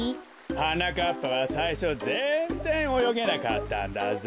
はなかっぱはさいしょぜんぜんおよげなかったんだぞ。